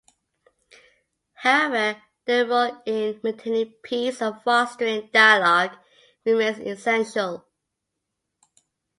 However, their role in maintaining peace and fostering dialogue remains essential.